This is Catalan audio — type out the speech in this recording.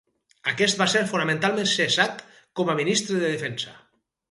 Aquest va ser formalment cessat com a ministre de defensa.